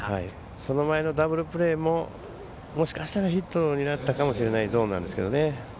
その前のダブルプレーももしかしたらヒットになったかもしれないゾーンなんですけどね。